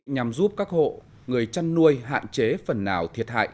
nhằm giúp các hộ người chăn nuôi hạn chế phần nào thiệt hại